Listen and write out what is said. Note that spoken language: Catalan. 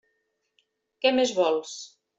Què més vols?